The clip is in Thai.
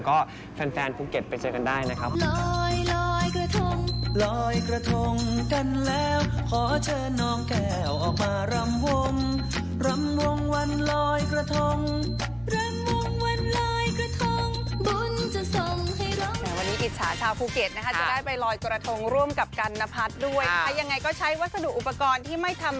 ก็แฟนภูเก็ตไปเจอกันได้นะครับ